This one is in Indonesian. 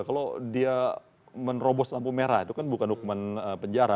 kalau dia menerobos lampu merah itu kan bukan hukuman penjara